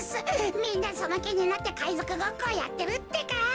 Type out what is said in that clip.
みんなそのきになってかいぞくごっこをやってるってか！